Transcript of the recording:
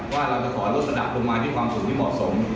ว่าเราจะขอลดระดับลงมาด้วยความสูงที่เหมาะสม